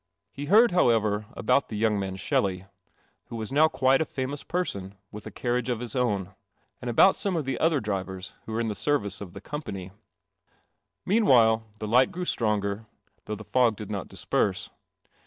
He heard, however, about the young man Shelley, who was now quite a famous person, with a carriage of his own, and about some of the other drivers who are in the service of the Company. Meanwhile the light grew stronger, though the fog did not disperse.